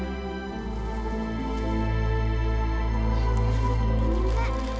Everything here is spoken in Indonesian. bu ga apa nek